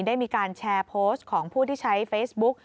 ได้มีการแชร์โพสต์ของผู้ที่ใช้เฟซบุ๊ก